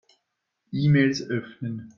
E-Mails öffnen.